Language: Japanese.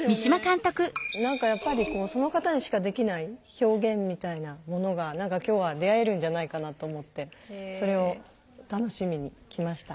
何かやっぱりその方にしかできない表現みたいなものが何か今日は出会えるんじゃないかなと思ってそれを楽しみに来ました。